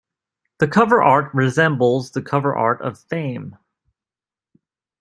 The cover art resembles the cover art of "Fame".